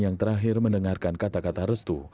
yang terakhir mendengarkan kata kata restu